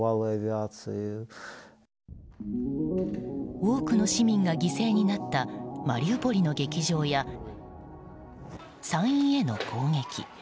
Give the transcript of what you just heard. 多くの市民が犠牲になったマリウポリの劇場や産院への攻撃。